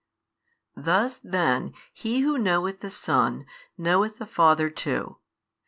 Thus then he who knoweth the Son, knoweth the Father too.